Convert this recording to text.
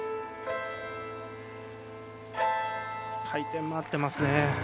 回転も合ってますね。